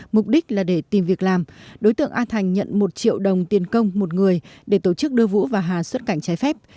mục đích là để tìm việc làm đối tượng a thành nhận một triệu đồng tiền công một người để tổ chức đưa vũ và hà xuất cảnh trái phép